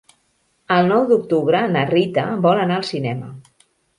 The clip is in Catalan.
El nou d'octubre na Rita vol anar al cinema.